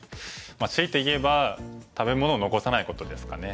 強いて言えば食べ物を残さないことですかね。